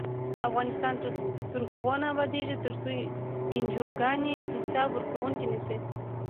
افغانستان تر هغو نه ابادیږي، ترڅو انجوګانې حساب ورکوونکې نشي.